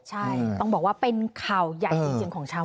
ใช่ต้องบอกว่าเป็นข่าวใหญ่จริงของชาว